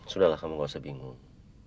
sudahlah kamu gak usah bingung